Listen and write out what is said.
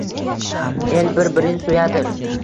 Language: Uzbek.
El bir-birin so’yadir.